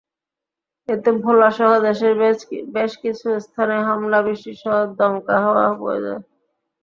এতে ভোলাসহ দেশের বেশ কিছু স্থানে হালকা বৃষ্টিসহ দমকা হাওয়া বয়ে যায়।